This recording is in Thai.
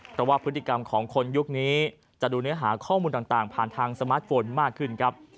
เพราะว่าพฤติกรรมของคนยุคนี้จะดูเนื้อหาข้อมูลต่างผ่านทางสมาร์ทโฟนมากขึ้นครับ